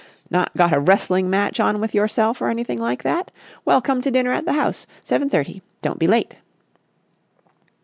"Not got a wrestling match on with yourself, or anything like that? Well, come to dinner at the house. Seven thirty. Don't be late."